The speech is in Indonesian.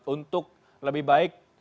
untuk lebih baik